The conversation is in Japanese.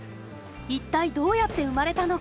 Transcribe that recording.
一体どうやって生まれたのか。